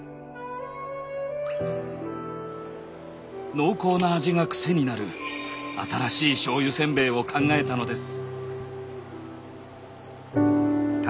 濃厚な味がクセになる新しい醤油せんべいを考えたのです。